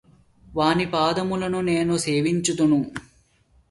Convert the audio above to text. వాని పాదములను నేను సేవింతును